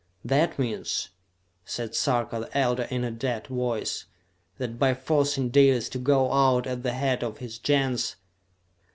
"That means," said Sarka the Elder in a dead voice, "that by forcing Dalis to go out at the head of his Gens...."